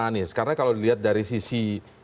anies karena kalau dilihat dari sisi